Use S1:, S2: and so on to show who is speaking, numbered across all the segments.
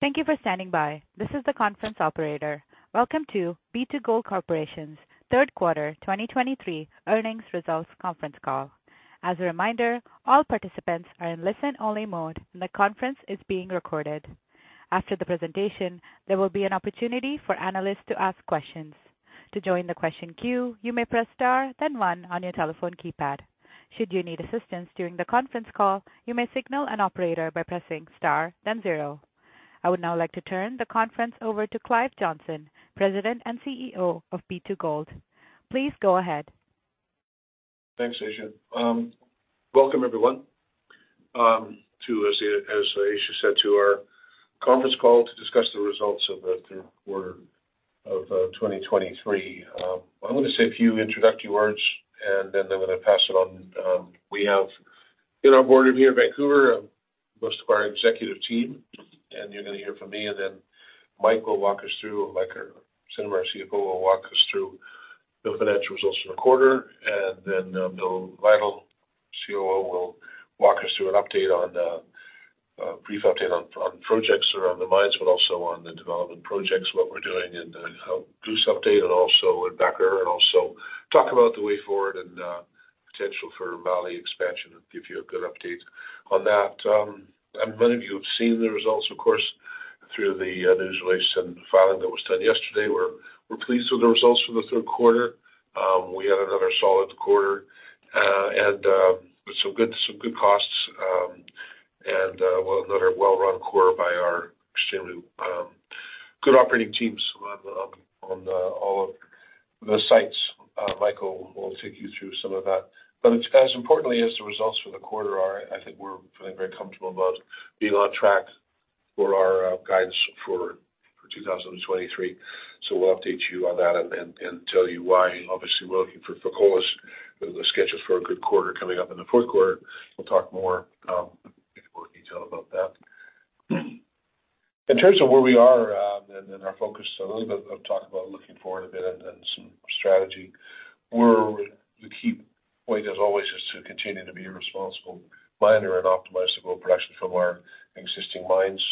S1: Thank you for standing by. This is the conference operator. Welcome to B2Gold Corporation's third quarter 2023 earnings results conference call. As a reminder, all participants are in listen-only mode, and the conference is being recorded. After the presentation, there will be an opportunity for analysts to ask questions. To join the question queue, you may press star then one on your telephone keypad. Should you need assistance during the conference call, you may signal an operator by pressing star then zero. I would now like to turn the conference over to Clive Johnson, President and CEO of B2Gold. Please go ahead.
S2: Thanks, Aisha. Welcome everyone to, as Aisha said, our conference call to discuss the results of the third quarter of 2023. I want to say a few introductory words, and then I'm going to pass it on. We have in our board room here in Vancouver most of our executive team, and you're going to hear from me, and then Mike will walk us through, like our Senior VP and CFO, will walk us through the financial results for the quarter. Then, Bill Lytle, COO, will walk us through a brief update on projects around the mines, but also on the development projects, what we're doing and how Goose update and also with Back River, and also talk about the way forward and potential for Valley expansion and give you a good update on that. And many of you have seen the results, of course, through the news release and filing that was done yesterday. We're pleased with the results for the third quarter. We had another solid quarter, and with some good costs, and well, another well-run quarter by our extremely good operating teams on all of the sites. Michael will take you through some of that, but as importantly as the results for the quarter are, I think we're feeling very comfortable about being on track for our guidance for 2023. So we'll update you on that and tell you why. Obviously, we're looking for Fekola's schedules for a good quarter coming up in the fourth quarter. We'll talk more detail about that. In terms of where we are, and then our focus a little bit of talk about looking forward a bit and then some strategy. The key point, as always, is to continue to be a responsible miner and optimize the gold production from our existing mines,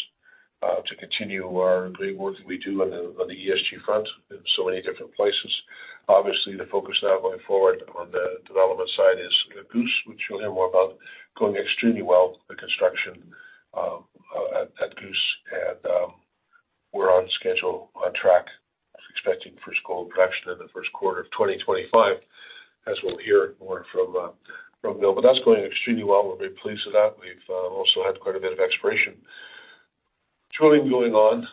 S2: to continue our great work that we do on the ESG front in so many different places. Obviously, the focus now going forward on the development side is the Goose, which you'll hear more about going extremely well, the construction at Goose and we're on schedule, on track, expecting first gold production in the first quarter of 2025, as we'll hear more from Bill. But that's going extremely well. We're very pleased with that. We've also had quite a bit of exploration, drilling going on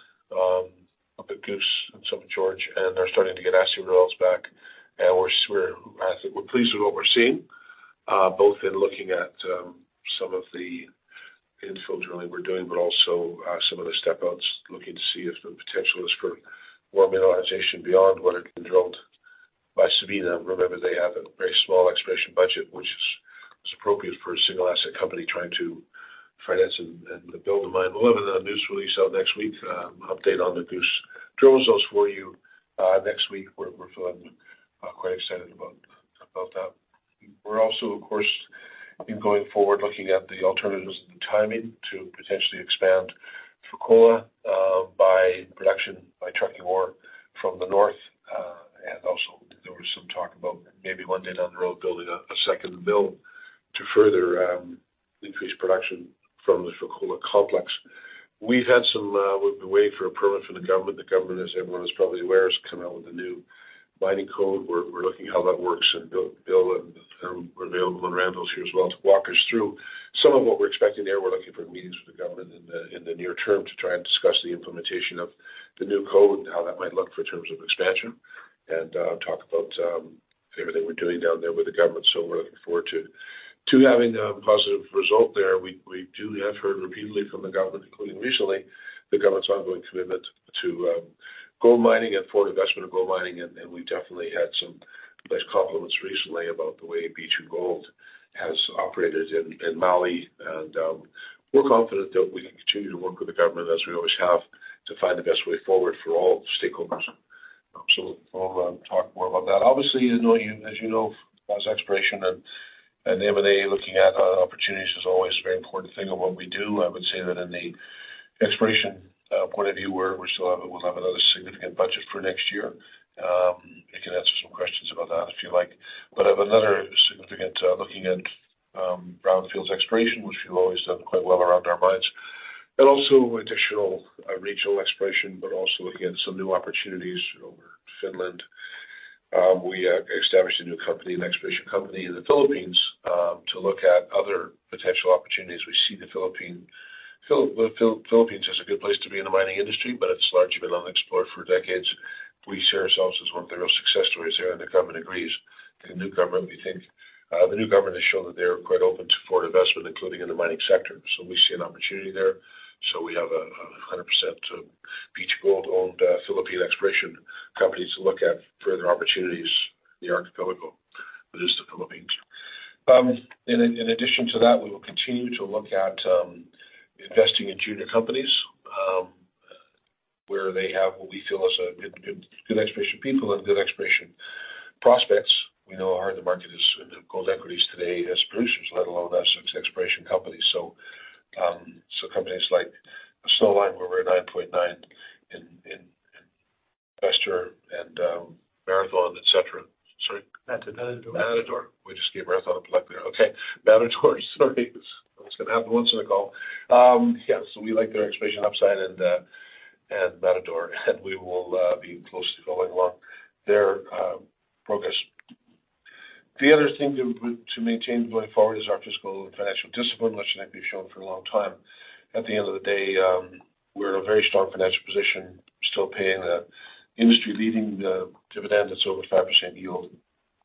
S2: up at Goose and some George, and they're starting to get assay results back. And I think we're pleased with what we're seeing, both in looking at some of the infill drilling we're doing, but also some of the step outs, looking to see if the potential is for more mineralization beyond what had been drilled by Sabina. Remember, they have a very small exploration budget, which is appropriate for a single asset company trying to finance and build a mine. We'll have a news release out next week, update on the Goose drill results for you, next week. We're feeling quite excited about that. We're also, of course, and going forward, looking at the alternatives and the timing to potentially expand Fekola by production, by trucking ore from the north. And also there was some talk about maybe one day down the road, building a second mill to further increase production from the Fekola complex. We've been waiting for a permit from the government. The government, as everyone is probably aware, has come out with a new mining code. We're looking how that works, and Bill and Randall is here as well to walk us through some of what we're expecting there. We're looking for meetings with the government in the near term to try and discuss the implementation of the new code and how that might look in terms of expansion, and talk about everything we're doing down there with the government. So we're looking forward to having a positive result there. We do have heard repeatedly from the government, including recently, the government's ongoing commitment to gold mining and foreign investment in gold mining, and we've definitely had some nice compliments recently about the way B2Gold has operated in Mali. We're confident that we can continue to work with the government, as we always have, to find the best way forward for all stakeholders. So we'll talk more about that. Obviously, as you know, exploration and M&A looking at opportunities is always a very important thing of what we do. I would say that in the exploration point of view, we'll have another significant budget for next year. I can answer some questions about that if you like, but I have another significant looking at Brownfields exploration, which we've always done quite well around our mines, and also additional regional exploration, but also looking at some new opportunities over Finland. We established a new company, an exploration company in the Philippines, to look at other potential opportunities. We see the Philippines as a good place to be in the mining industry, but it's largely been unexplored for decades. We see ourselves as one of the real success stories there, and the government agrees. The new government, we think, the new government has shown that they are quite open to foreign investment, including in the mining sector. So we see an opportunity there. So we have a 100% B2Gold-owned Philippine exploration company to look at further opportunities, the archipelago, that is the Philippines. In addition to that, we will continue to look at investing in junior companies where they have what we feel is a good exploration people and good exploration prospects. We know how hard the market is in gold equities today as producers, let alone as exploration companies. So, companies like Snowline Gold Corp, where we're at 9.9 in investor and Matador, et cetera. Sorry?
S3: Matador.
S2: Matador. We just gave Matador a plug there. Okay, Matador, sorry. It's gonna happen once in a call. Yes, so we like their exploration upside and, and Matador, and we will, be closely following along their, progress. The other thing to, to maintain going forward is our fiscal and financial discipline, which might be shown for a long time. At the end of the day, we're in a very strong financial position, still paying an industry-leading, dividend that's over 5% yield,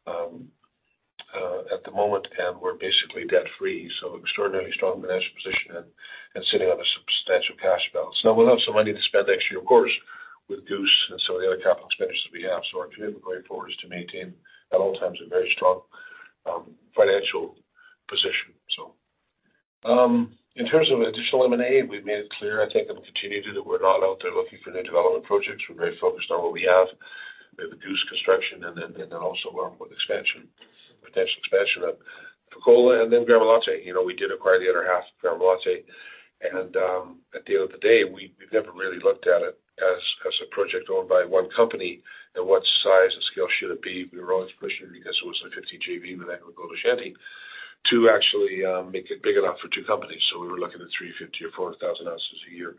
S2: at the moment, and we're basically debt-free, so extraordinarily strong financial position and, and sitting on a substantial cash balance. Now, we'll have some money to spend next year, of course, with Goose and some of the other capital expenditures we have. So our plan going forward is to maintain at all times a very strong, financial position so... In terms of additional M&A, we've made it clear, I think, and we'll continue to do that, we're not out there looking for new development projects. We're very focused on what we have. We have the Goose construction and then, and then also with expansion, potential expansion at Fekola and then Gramalote. You know, we did acquire the other half of Gramalote, and, at the end of the day, we, we've never really looked at it as, as a project owned by one company, and what size and scale should it be. We were always pushing because it was a 50 JV with AngloGold Ashanti, to actually, make it big enough for two companies. So we were looking at 350 to 4,000 ounces a year.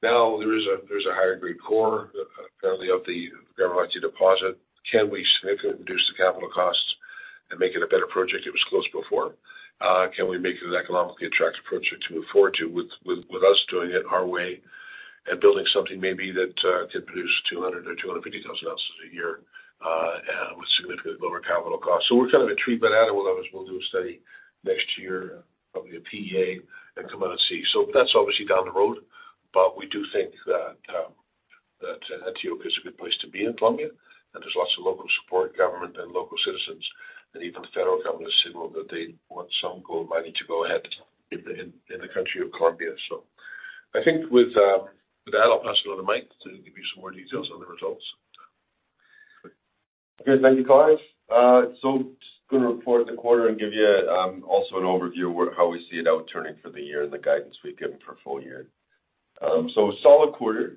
S2: Now, there is a, there's a higher grade core, apparently, of the Gramalote deposit. Can we significantly reduce the capital costs and make it a better project? It was close before. Can we make it an economically attractive project to move forward to, with, with, with us doing it our way and building something maybe that, can produce 200 or 250,000 ounces a year, and with significantly lower capital costs? So we're kind of agreed, but otherwise, we'll do a study next year, probably a PEA, and come out and see. So that's obviously down the road, but we do think that, that Antioquia is a good place to be in Colombia, and there's lots of local support, government and local citizens, and even federal government has signaled that they want some gold mining to go ahead in the, in, in the country of Colombia. I think with that, I'll pass it on to Mike to give you some more details on the results.
S3: Good. Thank you, guys. So just gonna report the quarter and give you also an overview of where, how we see it out turning for the year and the guidance we've given for full year. So a solid quarter.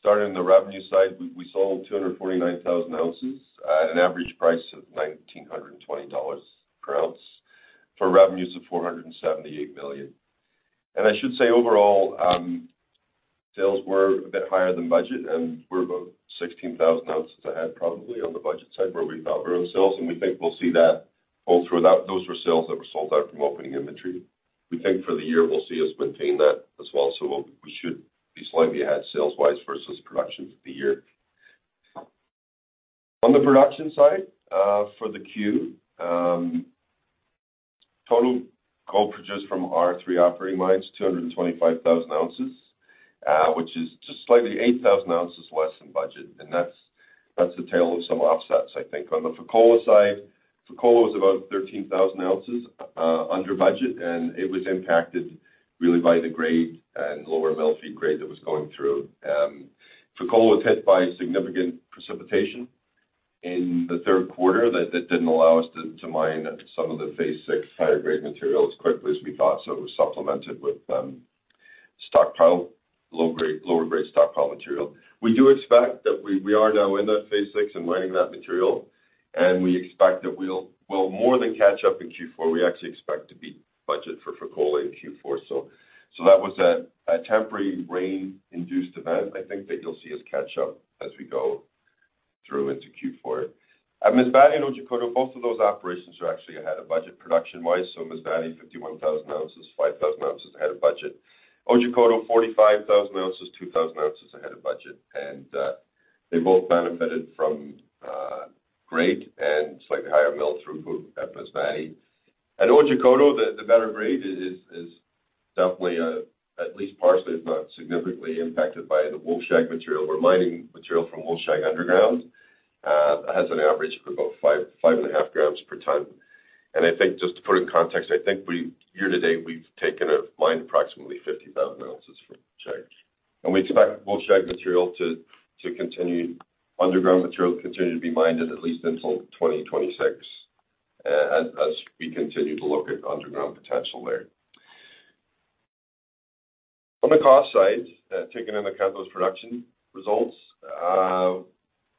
S3: Starting on the revenue side, we, we sold 249,000 ounces at an average price of $1,920 per ounce for revenues of $478 million. And I should say overall, sales were a bit higher than budget, and we're about 16,000 ounces ahead, probably, on the budget side, where we've outgrown sales, and we think we'll see that all throughout. Those were sales that were sold out from opening inventory. We think for the year, we'll see us maintain that as well. So we, we should be slightly ahead sales-wise versus production for the year. On the production side, for the Q, total gold produced from our three operating mines, 225,000 ounces, which is just slightly 8,000 ounces less than budget, and that's the tale of some offsets, I think. On the Fekola side, Fekola was about 13,000 ounces under budget, and it was impacted really by the grade and lower mill feed grade that was going through. Fekola was hit by significant precipitation in the third quarter that didn't allow us to mine some of the Phase Six higher-grade material as quickly as we thought. So it was supplemented with stockpile, low grade, lower grade stockpile material. We do expect that we are now in that Phase Six and mining that material, and we expect that we'll more than catch up in Q4. We actually expect to beat budget for Fekola in Q4. So that was a temporary rain-induced event, I think, that you'll see us catch up as we go through into Q4. At Masbate and Otjikoto, both of those operations are actually ahead of budget, production-wise. So Masbate, 51,000 ounces, 5,000 ounces ahead of budget. Otjikoto, 45,000 ounces, 2,000 ounces ahead of budget. And they both benefited from grade and slightly higher mill throughput at Masbate. At Otjikoto, the better grade is definitely at least partially, if not significantly, impacted by the Wolfshag material. We're mining material from Wolfshag underground has an average of about 5-5.5 grams per ton. And I think just to put in context, I think we, year to date, we've taken approximately 50,000 ounces from Wolfshag. We expect Wolfshag material to continue, underground material to continue to be mined at least until 2026, as we continue to look at underground potential there. On the cost side, taking into account those production results,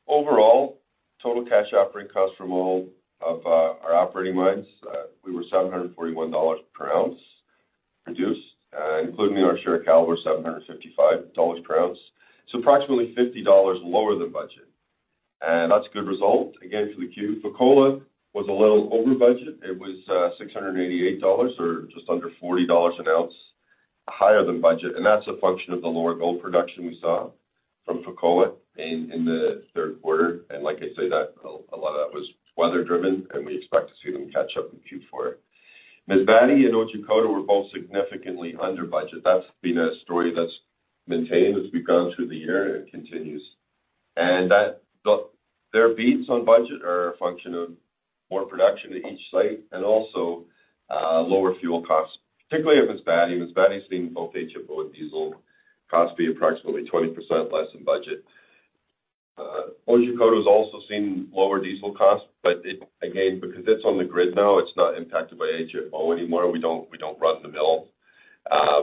S3: overall, total cash operating costs from all of our operating mines, we were $741 per ounce produced, including our share of Calibre, $755 per ounce. So approximately $50 lower than budget, and that's a good result. Again, for the Q, Fekola was a little over budget. It was $688 or just under $40 an ounce higher than budget, and that's a function of the lower gold production we saw from Fekola in the third quarter. And like I say, that a lot of that was weather-driven, and we expect to see them catch up in Q4. Masbate and Otjikoto were both significantly under budget. That's been a story that's maintained as we've gone through the year, and it continues. And that, the, their beats on budget are a function of more production at each site and also lower fuel costs, particularly if it's Fekola. Fekola is seeing both HFO and diesel costs be approximately 20% less than budget. Otjikoto has also seen lower diesel costs, but it, again, because it's on the grid now, it's not impacted by HFO anymore. We don't, we don't run the mill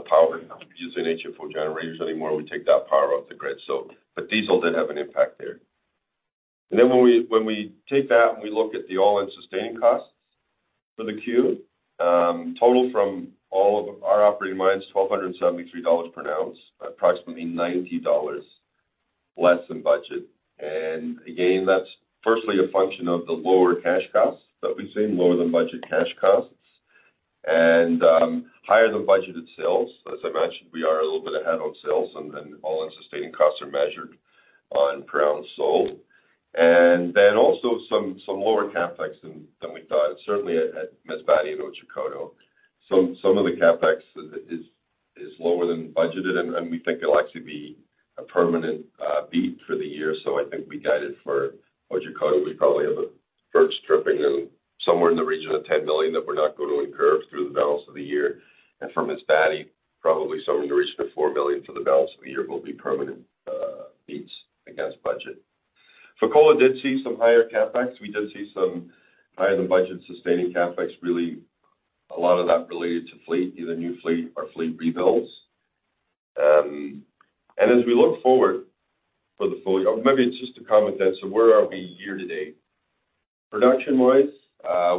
S3: power using HFO generators anymore. We take that power off the grid, so, but diesel did have an impact there. And then when we take that and we look at the all-in sustaining costs for the Q total from all of our operating mines, $1,273 per ounce, approximately $90 less than budget. And again, that's firstly a function of the lower cash costs that we've seen, lower than budget cash costs, and higher than budgeted sales. As I mentioned, we are a little bit ahead on sales and all-in sustaining costs are measured on per ounce sold. And then also some lower CapEx than we thought, certainly at Masbate and Otjikoto. Some of the CapEx is lower than budgeted, and we think it'll actually be a permanent beat for the year. I think we guided for Otjikoto, we probably have a verge tripping and somewhere in the region of $10 million, that we're not going to incur through the balance of the year. And from Masbate, probably somewhere in the region of $4 million for the balance of the year, will be permanent, beats against budget. Fekola did see some higher CapEx. We did see some higher than budget sustaining CapEx, really a lot of that related to fleet, either new fleet or fleet rebuilds. And as we look forward for the full year, or maybe it's just to comment then, so where are we year to date? Production-wise,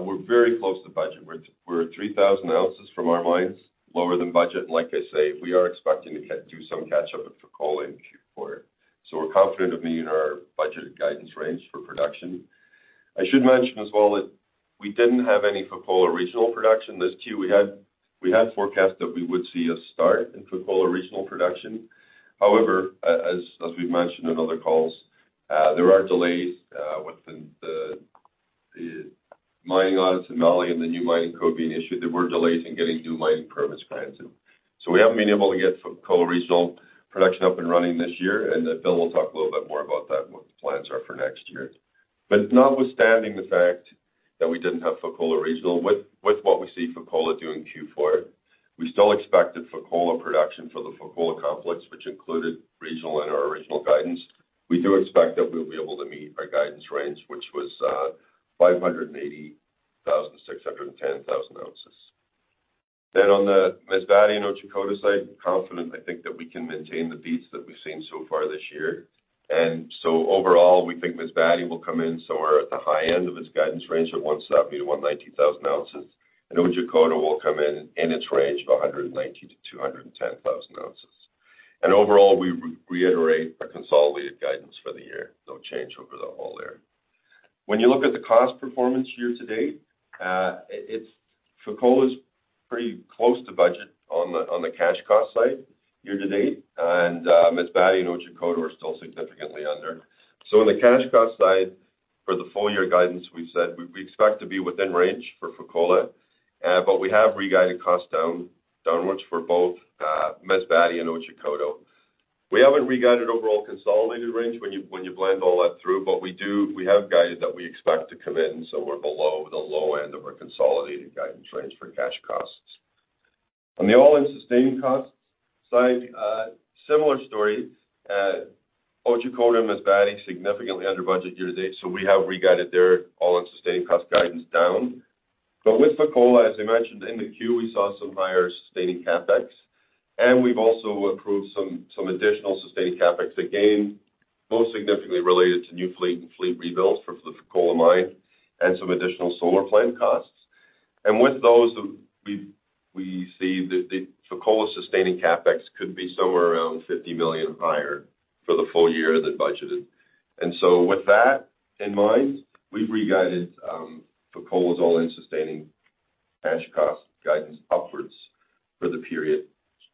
S3: we're very close to budget. We're, we're at 3,000 ounces from our mines, lower than budget. And like I say, we are expecting to get, do some catch-up at Fekola in Q4. So we're confident of meeting our budgeted guidance range for production. I should mention as well that we didn't have any Fekola regional production this Q. We had forecast that we would see a start in Fekola regional production. However, as we've mentioned in other calls, there are delays within the mining audit in Mali and the new mining code being issued. There were delays in getting new mining permits granted. So we haven't been able to get Fekola regional production up and running this year, and then Bill will talk a little bit more about that and what the plans are for next year. But notwithstanding the fact that we didn't have Fekola regional, with what we see Fekola doing in Q4, we still expected Fekola production for the Fekola complex, which included regional in our original guidance. We do expect that we'll be able to meet our guidance range, which was 580,000-610,000 ounces. Then on the Masbate and Otjikoto side, confident, I think that we can maintain the beats that we've seen so far this year. And so overall, we think Masbate will come in somewhere at the high end of its guidance range of 170,000-190,000 ounces, and Otjikoto will come in in its range of 190,000-210,000 ounces. And overall, we reiterate our consolidated guidance for the year, no change over the whole year. When you look at the cost performance year to date, it's Fekola is pretty close to budget on the, on the cash cost side year to date, and Masbate and Otjikoto are still significantly under. So in the cash cost side, for the full year guidance, we've said we expect to be within range for Fekola, but we have reguided costs down, downwards for both, Masbate and Otjikoto. We haven't reguided overall consolidated range when you, when you blend all that through, but we do-- We have guided that we expect to come in, so we're below the low end of our consolidated guidance range for cash costs. On the all-in sustaining costs side, similar story, Otjikoto and Masbate significantly under budget year to date, so we have reguided their all-in sustaining cost guidance down. But with Fekola, as I mentioned in the Q, we saw some higher sustaining CapEx, and we've also approved some, some additional sustaining CapEx. Again, most significantly related to new fleet and fleet rebuilds for the Fekola mine and some additional solar plant costs. And with those, we, we see that the Fekola sustaining CapEx could be somewhere around $50 million higher for the full year than budgeted. And so with that in mind, we've reguided Fekola's all-in sustaining cash cost guidance upwards for the period.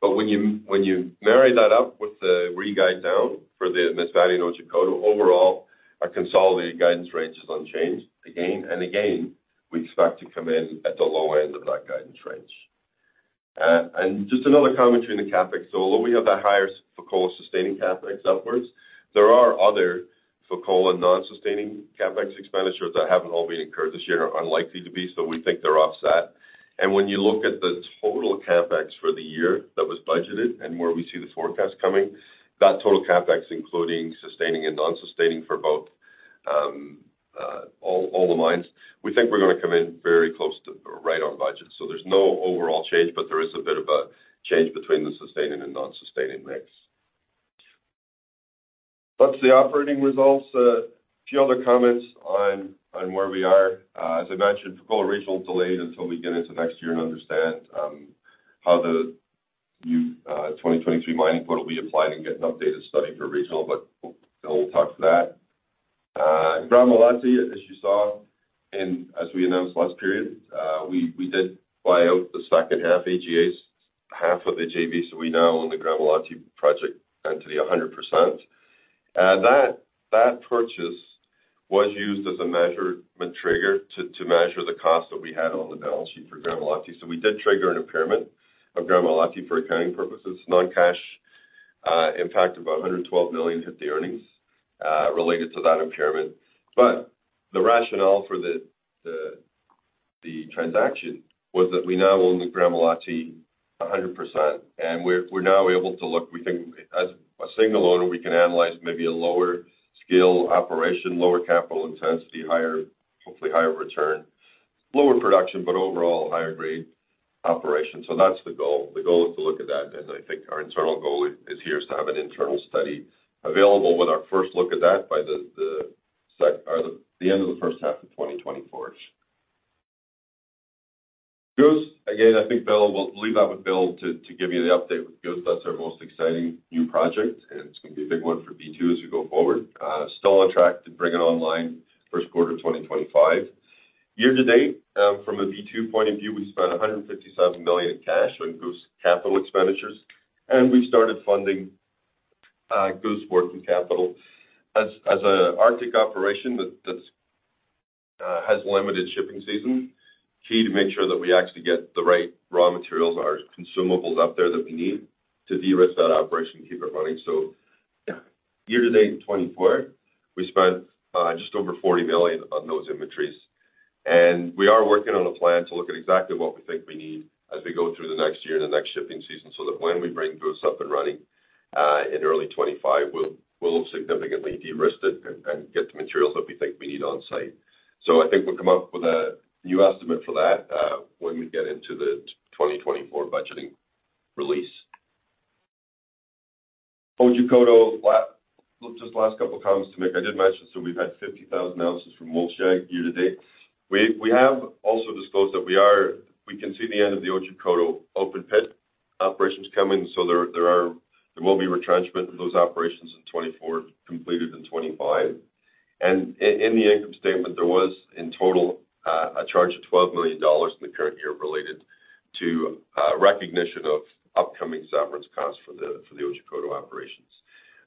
S3: But when you, when you marry that up with the reguide down for the Masbate and Otjikoto, overall, our consolidated guidance range is unchanged. Again, and again, we expect to come in at the low end of that guidance range. And just another comment between the CapEx. So although we have that higher Fekola sustaining CapEx upwards, there are other Fekola non-sustaining CapEx expenditures that haven't all been incurred this year, are unlikely to be, so we think they're offset. And when you look at the total CapEx for the year that was budgeted and where we see the forecast coming, that total CapEx, including sustaining and non-sustaining for both, all the mines, we think we're going to come in very close to or right on budget. So there's no overall change, but there is a bit of a change between the sustaining and non-sustaining mix. That's the operating results. A few other comments on where we are. As I mentioned, Fekola regional is delayed until we get into next year and understand how the new 2023 mining code will be applied and get an updated study for regional, but Bill will talk to that. Gramalote, as you saw, and as we announced last period, we did buy out the second half AGA's half of the JV, so we now own the Gramalote project entity 100%. And that purchase was used as a measurement trigger to measure the cost that we had on the balance sheet for Gramalote. So we did trigger an impairment of Gramalote for accounting purposes. Non-cash impact of $112 million hit the earnings related to that impairment. But the rationale for the transaction was that we now own the Gramalote 100%, and we're now able to look, we think, as a single owner, we can analyze maybe a lower scale operation, lower capital intensity, higher, hopefully higher return, lower production, but overall, higher grade operation. So that's the goal. The goal is to look at that, and I think our internal goal is to have an internal study available with our first look at that by the end of the first half of 2024. Goose, again, I think Bill, we'll leave that with Bill to give you the update. With Goose, that's our most exciting new project, and it's going to be a big one for B2 as we go forward. Still on track to bring it online, first quarter, 2025. Year to date, from a B2 point of view, we spent $157 million in cash on Goose capital expenditures, and we started funding Goose working capital. As a Arctic operation that that's has limited shipping season, key to make sure that we actually get the right raw materials or consumables up there that we need to de-risk that operation and keep it running. So year to date, in 2024, we spent just over $40 million on those inventories. We are working on a plan to look at exactly what we think we need as we go through the next year and the next shipping season, so that when we bring Goose up and running in early 2025, we'll, we'll have significantly de-risked it and get the materials that we think we need on-site. So I think we'll come up with a new estimate for that when we get into the 2024 budgeting release. Otjikoto, just last couple of comments to make. I did mention, so we've had 50,000 ounces from Wolfshag year to date. We have also disclosed that we can see the end of the Otjikoto open pit operations coming, so there will be retrenchment of those operations in 2024, completed in 2025. In the income statement, there was, in total, a charge of $12 million in the current year related to recognition of upcoming severance costs for the Otjikoto operations.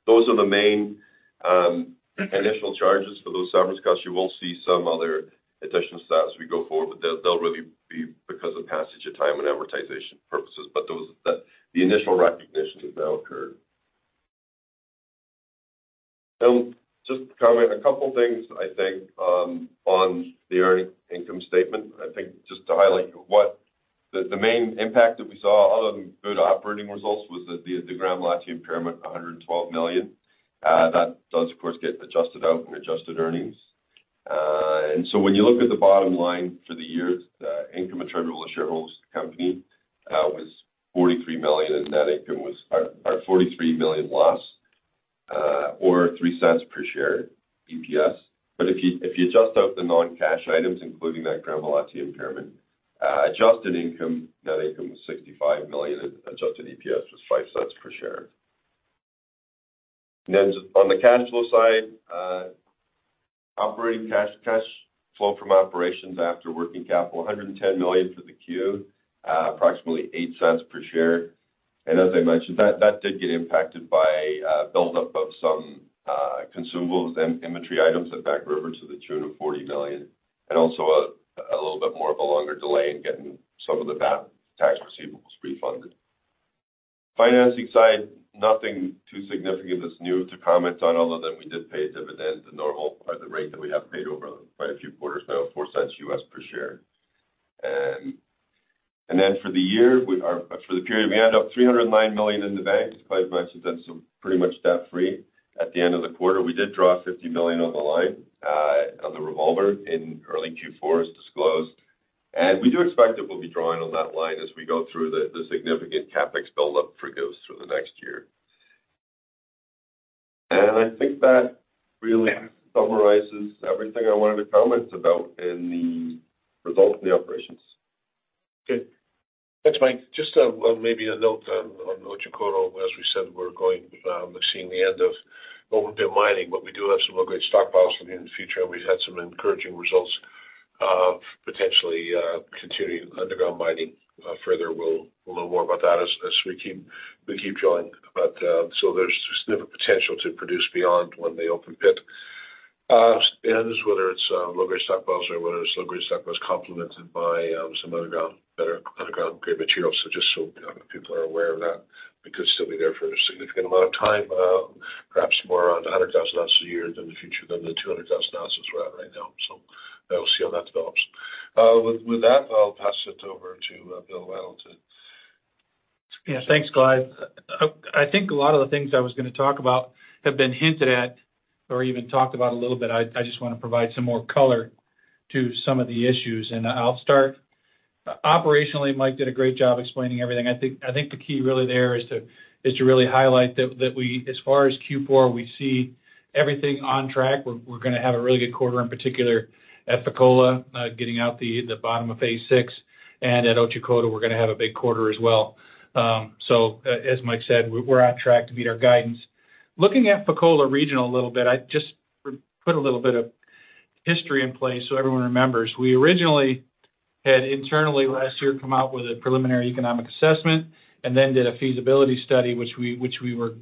S3: Those are the main initial charges for those severance costs. You will see some other additional stuff as we go forward, but they'll really be because of passage of time and amortization purposes. But those, the initial recognition has now occurred. Just covering a couple of things, I think, on the earning income statement. I think just to highlight what the main impact that we saw, other than good operating results, was that the Gramalote impairment, $112 million. That does, of course, get adjusted out in adjusted earnings. And so when you look at the bottom line for the year, the income attributable to shareholders company was $43 million, and net income was -$43 million, or -$0.03 per share EPS. But if you, if you adjust out the non-cash items, including that Gramalote impairment, adjusted income, net income was $65 million, and adjusted EPS was $0.05 per share. Then on the cash flow side, operating cash, cash flow from operations after working capital, $110 million for the Q, approximately $0.08 per share. And as I mentioned, that, that did get impacted by a buildup of some consumables and inventory items at Back River to the tune of $40 million, and also a little bit more of a longer delay in getting some of the VAT tax receivables refunded. Financing side, nothing too significant that's new to comment on, other than we did pay a dividend, the normal, or the rate that we have paid over quite a few quarters now, $0.04 per share. And then for the year, or for the period, we end up $309 million in the bank, as Clive mentioned, and so pretty much debt-free. At the end of the quarter, we did draw $50 million on the line, on the revolver in early Q4, as disclosed. And we do expect that we'll be drawing on that line as we go through the significant CapEx buildup for Goose through the next year. And I think that really summarizes everything I wanted to comment about in the results of the operations.
S2: Good. Thanks, Mike. Just, well, maybe a note on Otjikoto, as we said, we're going, we're seeing the end of open-pit mining, but we do have some low-grade stockpiles for the near future, and we've had some encouraging results, potentially, continuing underground mining. Further, we'll know more about that as we keep drilling. But, so there's significant potential to produce beyond when they open pit. And whether it's low-grade stockpiles or whether it's low-grade stockpiles complemented by some underground, better underground grade materials. So just so people are aware of that, we could still be there for a significant amount of time, perhaps more on the 100,000 ounces a year in the future than the 200,000 ounces we're at right now. So we'll see how that develops. With that, I'll pass it over to Bill Lytle.
S4: Yeah, thanks, Clive. I think a lot of the things I was going to talk about have been hinted at or even talked about a little bit. I just want to provide some more color to some of the issues, and I'll start. Operationally, Mike did a great job explaining everything. I think the key really there is to really highlight that we, as far as Q4, we see everything on track. We're going to have a really good quarter, in particular at Fekola, getting out the bottom of phase six. And at Otjikoto, we're going to have a big quarter as well. So as Mike said, we're on track to meet our guidance. Looking at Fekola Regional a little bit, I just put a little bit of history in place so everyone remembers. We originally had internally last year come out with a preliminary economic assessment, and then did a feasibility study, which we were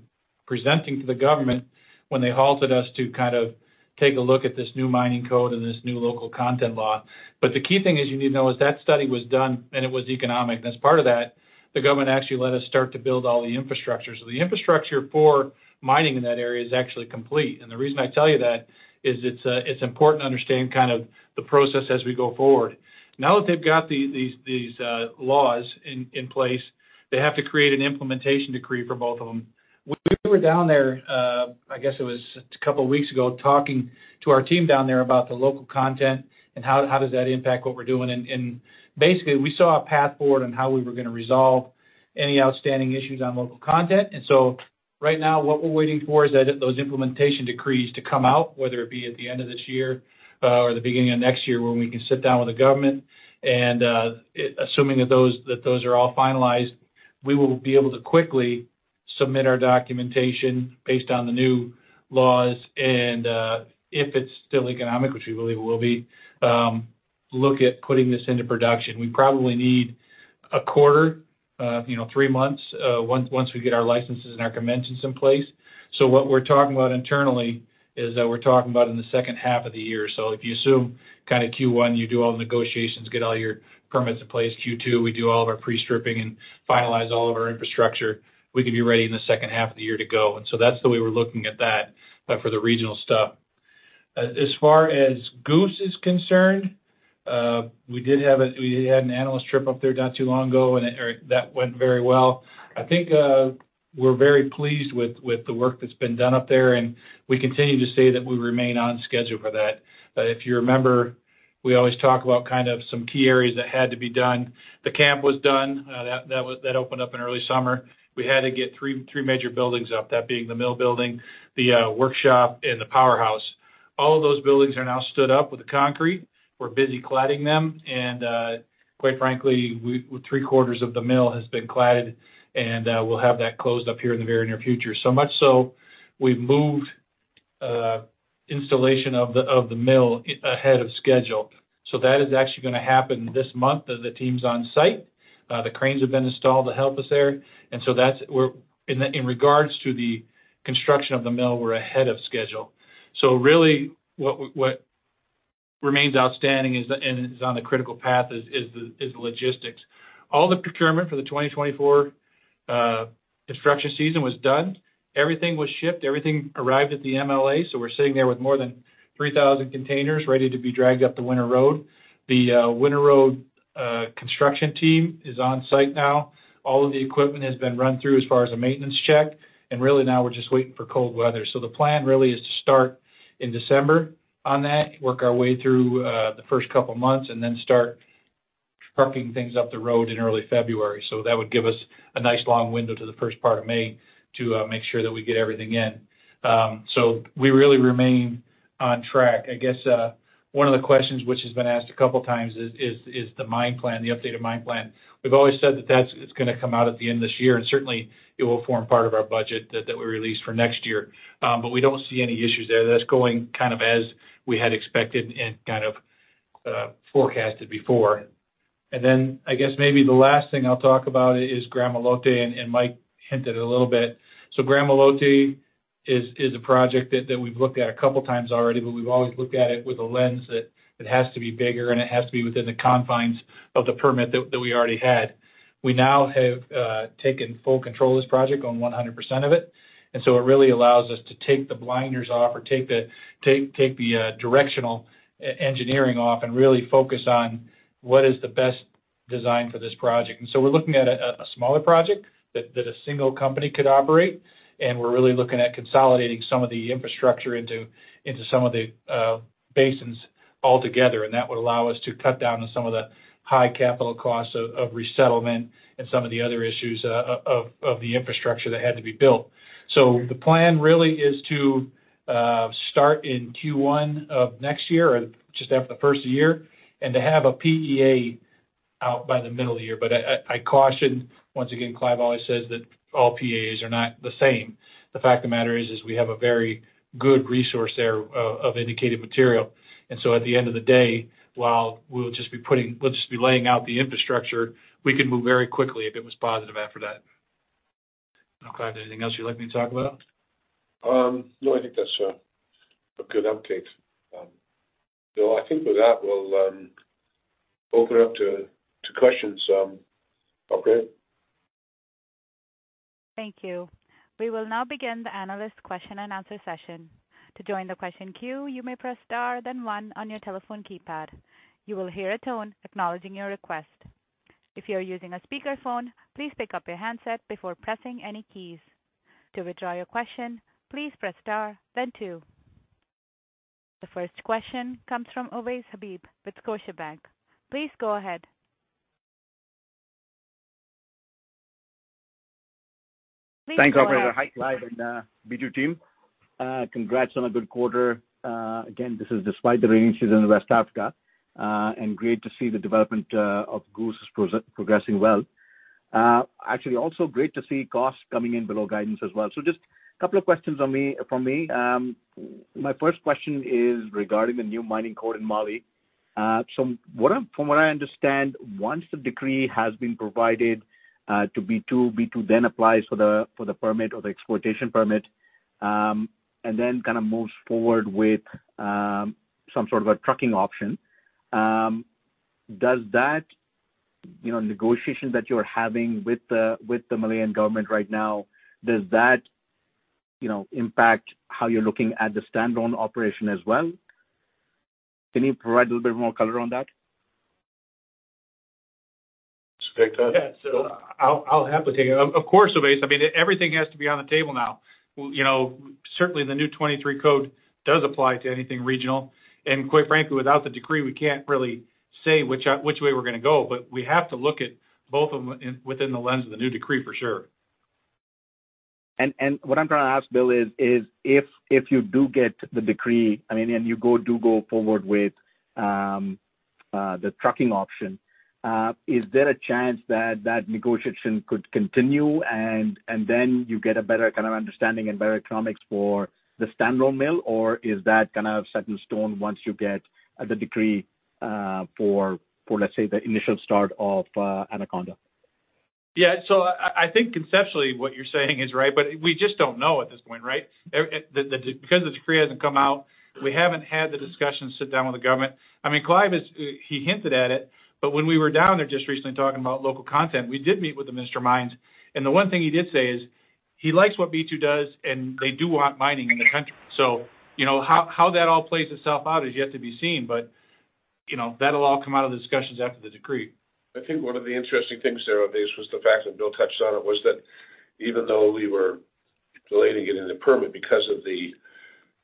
S4: presenting to the government when they halted us to kind of take a look at this new mining code and this new local content law. But the key thing is you need to know is that study was done and it was economic. And as part of that, the government actually let us start to build all the infrastructure. So the infrastructure for mining in that area is actually complete. And the reason I tell you that is it's important to understand kind of the process as we go forward. Now that they've got these laws in place, they have to create an implementation decree for both of them. We were down there, I guess it was a couple of weeks ago, talking to our team down there about the local content and how does that impact what we're doing. And basically, we saw a path forward on how we were going to resolve any outstanding issues on local content. And so right now, what we're waiting for is those implementation decrees to come out, whether it be at the end of this year, or the beginning of next year, when we can sit down with the government. And assuming that those are all finalized, we will be able to quickly submit our documentation based on the new laws, and if it's still economic, which we believe it will be, look at putting this into production. We probably need a quarter, you know, three months, once, once we get our licenses and our conventions in place. So what we're talking about internally is that we're talking about in the second half of the year. So if you assume kind of Q1, you do all the negotiations, get all your permits in place. Q2, we do all of our pre-stripping and finalize all of our infrastructure. We could be ready in the second half of the year to go. And so that's the way we're looking at that, for the regional stuff. As far as Goose is concerned, we did have a—we had an analyst trip up there not too long ago, and, that went very well. I think, we're very pleased with the work that's been done up there, and we continue to say that we remain on schedule for that. But if you remember, we always talk about kind of some key areas that had to be done. The camp was done. That opened up in early summer. We had to get 3 major buildings up, that being the mill building, the workshop, and the powerhouse. All of those buildings are now stood up with the concrete. We're busy cladding them, and quite frankly, three-quarters of the mill has been cladded, and we'll have that closed up here in the very near future. So much so, we've moved installation of the mill ahead of schedule. So that is actually going to happen this month. The team's on site. The cranes have been installed to help us there. And so that's where we're. In regards to the construction of the mill, we're ahead of schedule. So really, what remains outstanding, and is on the critical path, is the logistics. All the procurement for the 2024 construction season was done. Everything was shipped, everything arrived at the MLA, so we're sitting there with more than 3,000 containers ready to be dragged up the winter road. The winter road construction team is on site now. All of the equipment has been run through as far as a maintenance check, and really now we're just waiting for cold weather. So the plan really is to start in December on that, work our way through the first couple of months, and then start trucking things up the road in early February. So that would give us a nice long window to the first part of May to make sure that we get everything in. So we really remain on track. I guess one of the questions which has been asked a couple of times is the mine plan, the updated mine plan. We've always said that that's it's going to come out at the end of this year, and certainly it will form part of our budget that we released for next year. But we don't see any issues there. That's going kind of as we had expected and kind of forecasted before. And then I guess maybe the last thing I'll talk about is Gramalote, and Mike hinted a little bit. So Gramalote is a project that we've looked at a couple of times already, but we've always looked at it with a lens that it has to be bigger and it has to be within the confines of the permit that we already had. We now have taken full control of this project on 100% of it, and so it really allows us to take the blinders off or take the directional engineering off and really focus on what is the best design for this project. And so we're looking at a smaller project that a single company could operate, and we're really looking at consolidating some of the infrastructure into some of the basins altogether. And that would allow us to cut down on some of the high capital costs of resettlement and some of the other issues of the infrastructure that had to be built. So the plan really is to start in Q1 of next year or just after the first year, and to have a PEA out by the middle of the year. But I caution, once again, Clive always says that all PEAs are not the same. The fact of the matter is we have a very good resource there of indicated material. And so at the end of the day, while we'll just be putting - we'll just be laying out the infrastructure, we can move very quickly if it was positive after that. Okay, Clive, anything else you'd like me to talk about?
S2: No, I think that's a good update. So I think with that, we'll open up to questions. Operator?
S1: Thank you. We will now begin the analyst question and answer session. To join the question queue, you may press Star, then one on your telephone keypad. You will hear a tone acknowledging your request. If you are using a speakerphone, please pick up your handset before pressing any keys. To withdraw your question, please press Star then two. The first question comes from Ovais Habib with Scotiabank. Please go ahead.
S5: Thanks, operator. Hi, Clive and B2 team. Congrats on a good quarter. Again, this is despite the rainy season in West Africa, and great to see the development of Goose is progressing well.... Actually, also great to see costs coming in below guidance as well. So just a couple of questions on me, from me. My first question is regarding the new mining code in Mali. So what I, from what I understand, once the decree has been provided, to B2, B2 then applies for the, for the permit or the exploitation permit, and then kind of moves forward with, some sort of a trucking option. Does that, you know, negotiations that you're having with the, with the Malian government right now, does that, you know, impact how you're looking at the standalone operation as well? Can you provide a little bit more color on that?
S2: Spec that?
S4: Yeah, so I'll have to take it. Of course, Ovais, I mean, everything has to be on the table now. Well, you know, certainly the new 23 code does apply to anything regional, and quite frankly, without the decree, we can't really say which way we're gonna go. But we have to look at both of them within the lens of the new decree, for sure.
S5: What I'm trying to ask, Bill, is if you do get the decree, I mean, and you go forward with the trucking option, is there a chance that that negotiation could continue and then you get a better kind of understanding and better economics for the standalone mill? Or is that kind of set in stone once you get the decree for, let's say, the initial start of Anaconda?
S4: Yeah, so I think conceptually what you're saying is right, but we just don't know at this point, right? The, because the decree hasn't come out, we haven't had the discussion sit down with the government. I mean, Clive is... He hinted at it, but when we were down there just recently talking about local content, we did meet with the Minister of Mines, and the one thing he did say is, he likes what B2 does, and they do want mining in the country. So, you know, how that all plays itself out is yet to be seen, but, you know, that'll all come out of the discussions after the decree.
S2: I think one of the interesting things there, Ovais, was the fact that Bill touched on it, was that even though we were delaying getting the permit because of the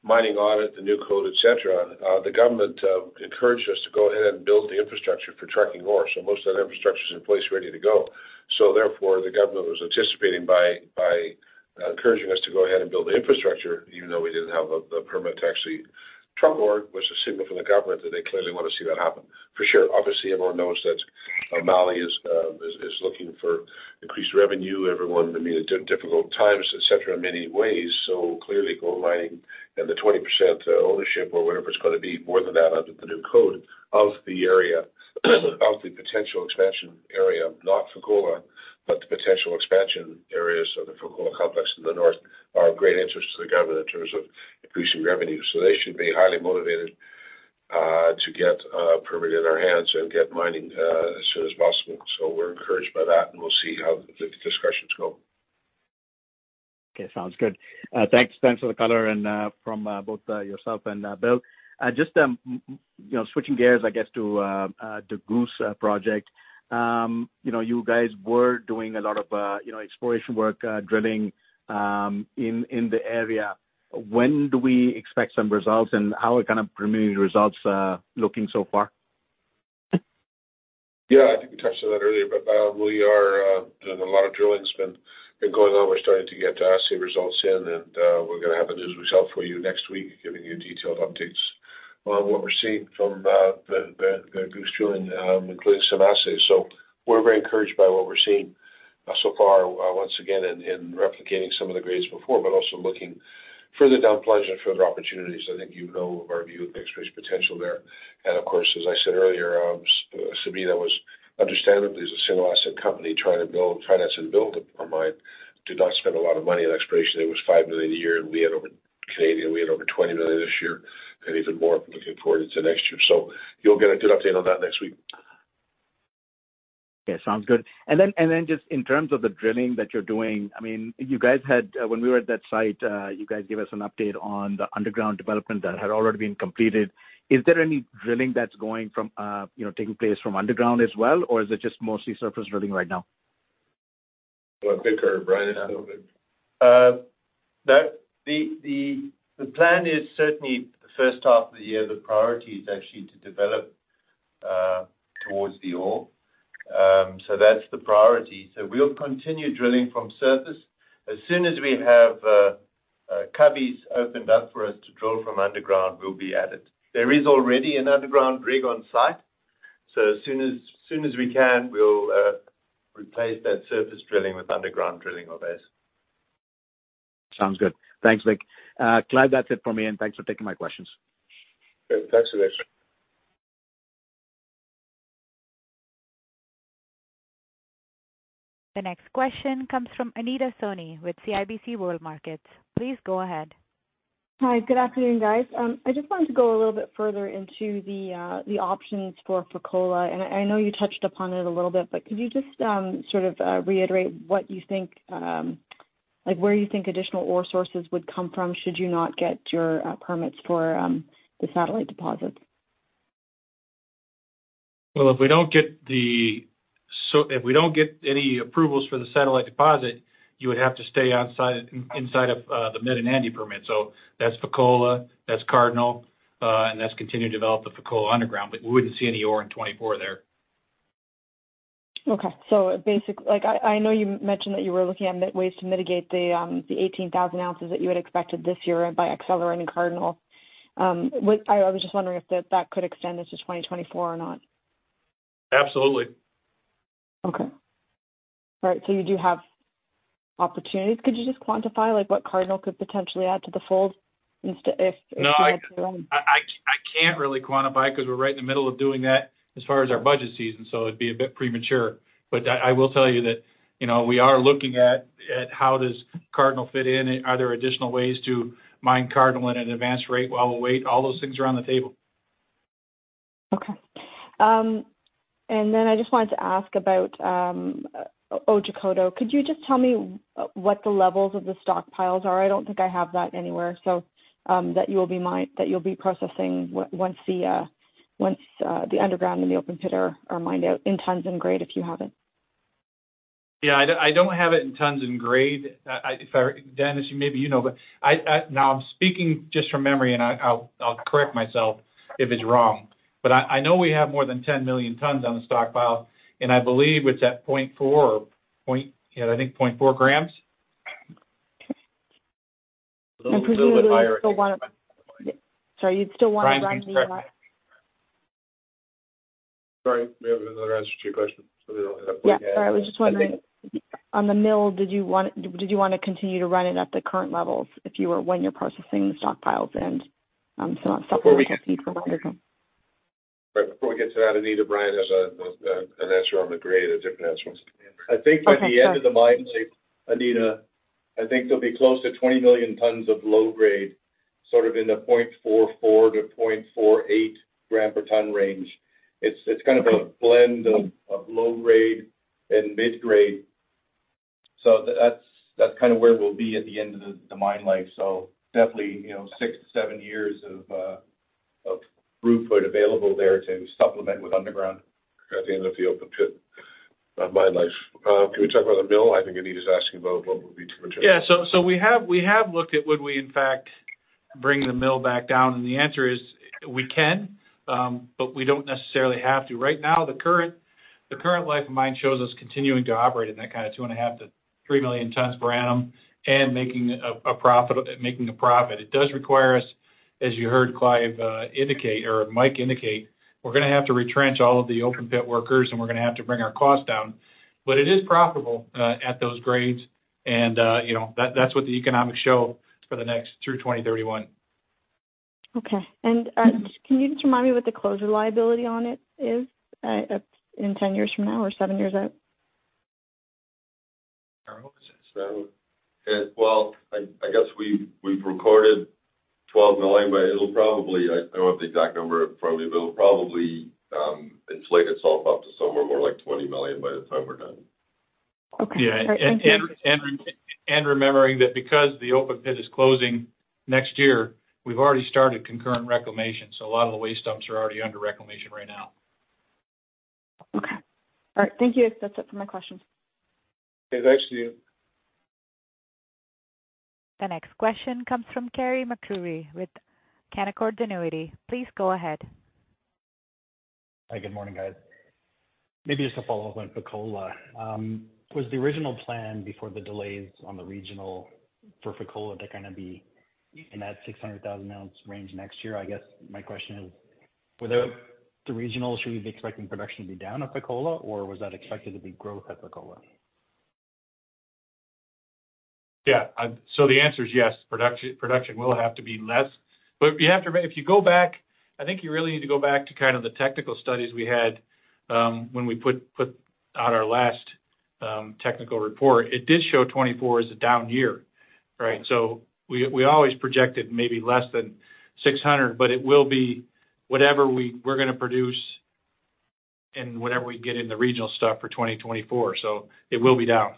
S2: mining audit, the new code, et cetera, the government encouraged us to go ahead and build the infrastructure for trucking ore. So most of that infrastructure is in place, ready to go. So therefore, the government was anticipating by encouraging us to go ahead and build the infrastructure, even though we didn't have a permit to actually truck ore, was a signal from the government that they clearly want to see that happen. For sure, obviously, everyone knows that, Mali is looking for increased revenue. Everyone, I mean, difficult times, et cetera, in many ways. So clearly, gold mining and the 20%, ownership or whatever it's gonna be, more than that, under the new code of the area, of the potential expansion area, not Fekola, but the potential expansion areas of the Fekola complex in the north, are of great interest to the government in terms of increasing revenue. So they should be highly motivated to get a permit in their hands and get mining as soon as possible. So we're encouraged by that, and we'll see how the discussions go.
S5: Okay, sounds good. Thanks. Thanks for the color and from both yourself and Bill. Just you know, switching gears, I guess, to the Goose Project. You know, you guys were doing a lot of you know, exploration work, drilling in the area. When do we expect some results, and how are kind of preliminary results looking so far?
S2: Yeah, I think we touched on that earlier, but we are doing a lot of drilling has been going on. We're starting to get assay results in, and we're gonna have a news release for you next week, giving you detailed updates on what we're seeing from the Goose drilling, including some assays. So we're very encouraged by what we're seeing so far, once again in replicating some of the grades before, but also looking further down plunge and further opportunities. I think you know of our view of the exploration potential there. And of course, as I said earlier, Sabina was understandably, as a single asset company, trying to build, finance and build a mine, did not spend a lot of money on exploration. It was 5 million a year, and we had over 20 million this year and even more looking forward to next year. So you'll get a good update on that next week.
S5: Okay, sounds good. And then, and then just in terms of the drilling that you're doing, I mean, you guys had, when we were at that site, you guys gave us an update on the underground development that had already been completed. Is there any drilling that's going from, you know, taking place from underground as well, or is it just mostly surface drilling right now?
S2: Well, Victor, Brian, go ahead.
S6: That the plan is certainly first half of the year, the priority is actually to develop towards the ore. So that's the priority. So we'll continue drilling from surface. As soon as we have cubbies opened up for us to drill from underground, we'll be at it. There is already an underground rig on site, so as soon as we can, we'll replace that surface drilling with underground drilling, Ovais.
S5: Sounds good. Thanks, Vic. Clive, that's it for me, and thanks for taking my questions.
S2: Good. Thanks, Ovais.
S1: The next question comes from Anita Soni with CIBC World Markets. Please go ahead.
S7: Hi, good afternoon, guys. I just wanted to go a little bit further into the options for Fekola, and I know you touched upon it a little bit, but could you just sort of reiterate what you think, like, where you think additional ore sources would come from, should you not get your permits for the satellite deposits?
S4: Well, if we don't get any approvals for the satellite deposit, you would have to stay inside of the mining permit. So that's Fekola, that's Cardinal, and that's continuing to develop the Fekola Underground, but we wouldn't see any ore in 2024 there.
S7: Okay. So, like, I know you mentioned that you were looking at ways to mitigate the 18,000 ounces that you had expected this year by accelerating Cardinal. What... I was just wondering if that could extend into 2024 or not?
S4: Absolutely. ...
S7: Right, so you do have opportunities. Could you just quantify, like, what Cardinal could potentially add to the fold instead if you had to run?
S4: No, I can't really quantify because we're right in the middle of doing that as far as our budget season, so it'd be a bit premature. But I will tell you that, you know, we are looking at how does Cardinal fit in? Are there additional ways to mine Cardinal at an advanced rate while we wait? All those things are on the table.
S7: Okay. And then I just wanted to ask about Otjikoto. Could you just tell me what the levels of the stockpiles are? I don't think I have that anywhere, so that you'll be processing once the underground and the open pit are mined out in tons and grade, if you have it.
S4: Yeah, I don't have it in tons and grade. If I... Dennis, maybe you know, but now I'm speaking just from memory, and I'll correct myself if it's wrong. But I know we have more than 10 million tons on the stockpile, and I believe it's at 0.4 or point... Yeah, I think 0.4 grams.
S7: Okay. And presumably, you still wanna-
S3: A little bit higher.
S7: Sorry, you'd still wanna run the-
S4: Sorry, do we have another answer to your question? So we don't end up-
S7: Yeah. Sorry, I was just wondering, on the mill, did you want, did you want to continue to run it at the current levels if you were, when you're processing the stockpiles and, so not separately, but for longer term?
S3: Right, before we get to that, Anita, Brian has an answer on the grade, a different answer.
S4: I think by the end of the mine life, Anita, I think they'll be close to 20 million tons of low grade, sort of in the 0.44-0.48 gram per ton range. It's, it's kind of a blend of, of low grade and mid-grade. So that's, that's kind of where we'll be at the end of the, the mine life. So definitely, you know, 6-7 years of, of throughput available there to supplement with underground.
S3: At the end of the open pit, mine life. Can we talk about the mill? I think Anita is asking about what would be-
S4: Yeah. So, so we have, we have looked at would we in fact bring the mill back down, and the answer is we can, but we don't necessarily have to. Right now, the current, the current life of mine shows us continuing to operate in that kind of 2.5-3 million tons per annum and making a, a profit, making a profit. It does require us, as you heard Clive indicate or Mike indicate, we're gonna have to retrench all of the open pit workers, and we're gonna have to bring our costs down. But it is profitable at those grades, and, you know, that, that's what the economics show for the next, through 2031.
S7: Okay. And, can you just remind me what the closure liability on it is, in 10 years from now or 7 years out?
S3: I hope it's less. Well, I guess we've recorded $12 million, but it'll probably—I don't have the exact number, probably—but it'll probably inflate itself up to somewhere more like $20 million by the time we're done.
S7: Okay.
S4: Yeah.
S7: All right, thank you.
S4: Remembering that because the open pit is closing next year, we've already started concurrent reclamation, so a lot of the waste dumps are already under reclamation right now.
S7: Okay. All right, thank you. That's it for my questions.
S3: Okay, thanks to you.
S1: The next question comes from Carey MacRury with Canaccord Genuity. Please go ahead.
S8: Hi, good morning, guys. Maybe just a follow-up on Fekola. Was the original plan before the delays on the regional for Fekola to kind of be in that 600,000 ounce range next year? I guess my question is, without the regional, should we be expecting production to be down at Fekola, or was that expected to be growth at Fekola?
S4: Yeah, so the answer is yes. Production will have to be less. But if you go back, I think you really need to go back to kind of the technical studies we had when we put out our last technical report. It did show 2024 as a down year, right? So we always projected maybe less than 600, but it will be whatever we're gonna produce and whatever we get in the regional stuff for 2024. So it will be down.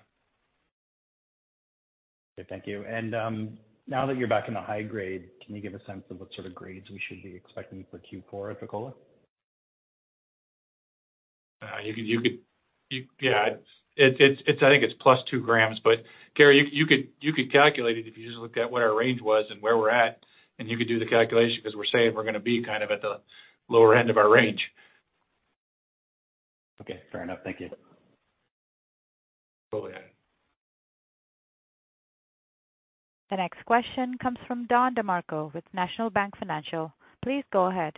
S8: Okay, thank you. Now that you're back in the high grade, can you give a sense of what sort of grades we should be expecting for Q4 at Fekola?
S4: Yeah, it's plus 2 grams, but Carey, you could calculate it if you just looked at what our range was and where we're at, and you could do the calculation because we're saying we're gonna be kind of at the lower end of our range.
S8: Okay, fair enough. Thank you.
S4: Oh, yeah.
S1: The next question comes from Don DeMarco with National Bank Financial. Please go ahead.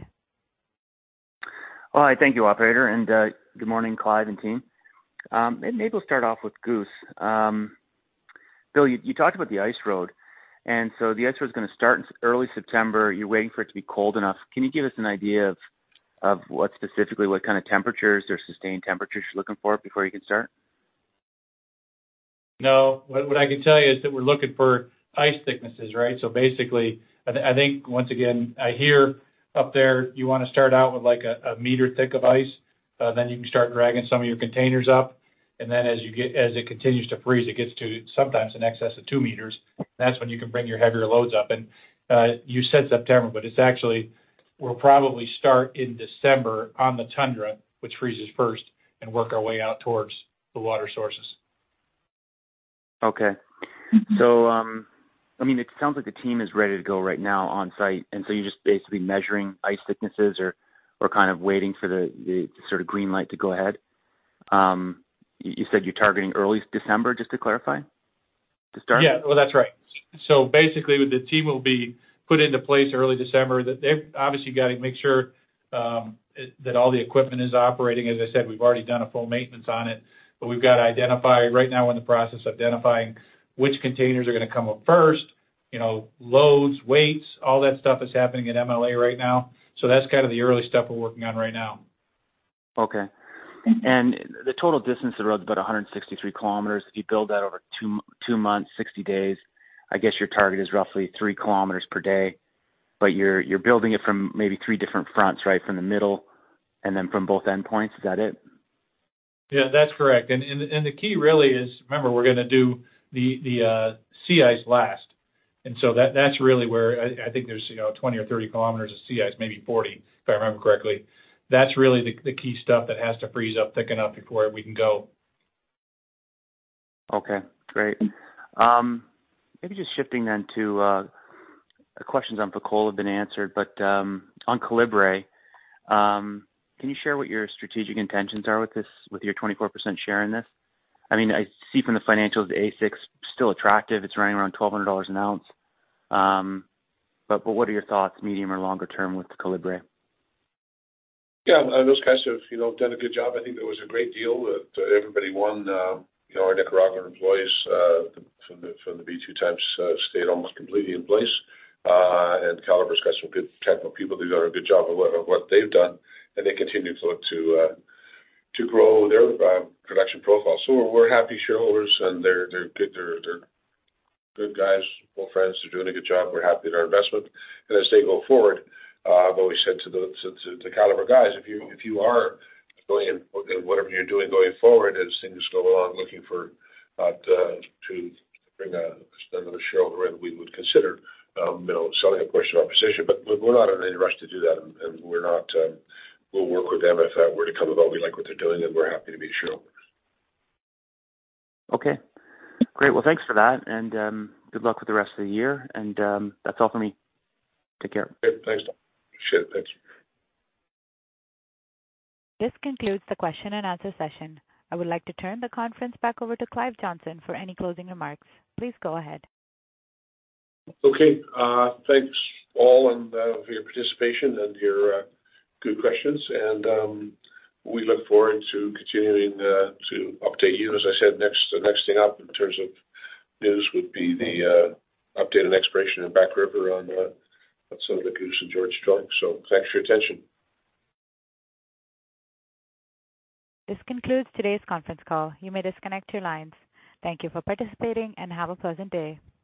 S9: All right. Thank you, operator, and good morning, Clive and team. Maybe we'll start off with Goose. Bill, you, you talked about the ice road, and so the ice road is gonna start in early September. You're waiting for it to be cold enough. Can you give us an idea of what specifically, what kind of temperatures or sustained temperatures you're looking for before you can start?
S4: No, what I can tell you is that we're looking for ice thicknesses, right? So basically, I think, once again, I hear up there, you wanna start out with, like, a meter thick of ice, then you can start dragging some of your containers up. And then as you get, as it continues to freeze, it gets to sometimes in excess of two meters. That's when you can bring your heavier loads up. And you said September, but it's actually, we'll probably start in December on the tundra, which freezes first, and work our way out towards the water sources.
S9: Okay. So, I mean, it sounds like the team is ready to go right now on site, and so you're just basically measuring ice thicknesses or kind of waiting for the sort of green light to go ahead? You said you're targeting early December, just to clarify?...
S4: Yeah, well, that's right. So basically, the team will be put into place early December, that they've obviously got to make sure that all the equipment is operating. As I said, we've already done a full maintenance on it, but we've got to identify, right now we're in the process of identifying which containers are going to come up first, you know, loads, weights, all that stuff is happening at MLA right now. So that's kind of the early stuff we're working on right now.
S9: Okay. And the total distance of the road is about 163 km. If you build that over two two months, 60 days, I guess your target is roughly 3 km per day, but you're, you're building it from maybe three different fronts, right from the middle, and then from both endpoints. Is that it?
S4: Yeah, that's correct. And the key really is, remember, we're gonna do the sea ice last, and so that's really where I think there's, you know, 20 or 30 kilometers of sea ice, maybe 40, if I remember correctly. That's really the key stuff that has to freeze up thick enough before we can go.
S9: Okay, great. Maybe just shifting then to the questions on Fekola have been answered, but on Calibre, can you share what your strategic intentions are with this, with your 24% share in this? I mean, I see from the financials, AISC's still attractive. It's running around $1,200 an ounce. But what are your thoughts, medium or longer term with Calibre?
S2: Yeah, and those guys have, you know, done a good job. I think it was a great deal that everybody won. You know, our Nicaraguan employees from the B2 times stayed almost completely in place. And Calibre's got some good technical people. They've done a good job of what they've done, and they continue to grow their production profile. So we're happy shareholders, and they're good. They're good guys, old friends. They're doing a good job. We're happy with our investment. And as they go forward, I've always said to the Calibre guys, if you are going in, whatever you're doing going forward, as things go along, looking for to bring another shareholder in, we would consider, you know, selling a portion of our position, but we're not in any rush to do that, and we're not. We'll work with them if that were to come about. We like what they're doing, and we're happy to be shareholders.
S9: Okay, great. Well, thanks for that, and good luck with the rest of the year. That's all for me. Take care.
S2: Thanks, Don. Sure, thank you.
S1: This concludes the question and answer session. I would like to turn the conference back over to Clive Johnson for any closing remarks. Please go ahead.
S2: Okay. Thanks all, and for your participation and your good questions. We look forward to continuing to update you. As I said, next, the next thing up in terms of news would be the update on exploration in Back River, including Goose and George. Thanks for your attention.
S1: This concludes today's conference call. You may disconnect your lines. Thank you for participating, and have a pleasant day.